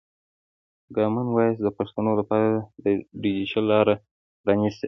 کامن وایس د پښتو لپاره د ډیجیټل لاره پرانستې ده.